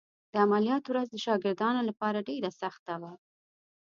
د عملیات ورځ د شاګردانو لپاره ډېره سخته وه.